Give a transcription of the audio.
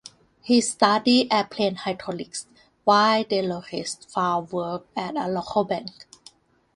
He studied airplane hydraulics, while Deloris found work at a local bank.